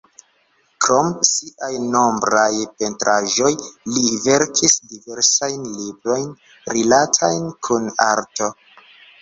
Krom siaj nombraj pentraĵoj, li verkis diversajn librojn rilatajn kun arto.